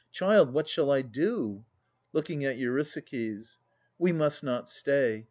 Child, what shall I do ? [Looking at Eurysakes. We must not stay.